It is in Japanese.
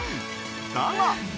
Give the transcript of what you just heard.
だが。